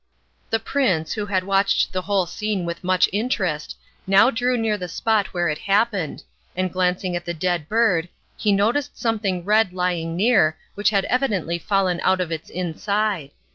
The prince, who had watched the whole scene with much interest, now drew near the spot where it happened, and glancing at the dead bird he noticed something red lying near which had evidently fallen out of its inside.